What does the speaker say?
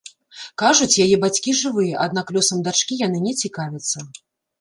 Кажуць, яе бацькі жывыя, аднак лёсам дачкі яны не цікавяцца.